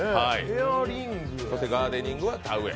ガーデニングは田植え。